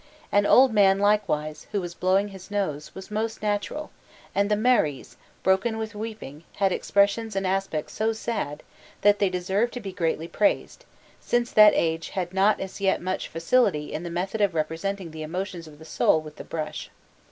An old man, likewise, who was blowing his nose, was most natural, and the Maries, broken with weeping, had expressions and aspects so sad, that they deserved to be greatly praised, since that age had not as yet much facility in the method of representing the emotions of the soul with the brush.